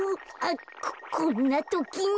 ここんなときに。